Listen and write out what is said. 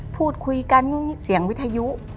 พูดคุยกันยุ่งเสียงวิทยุ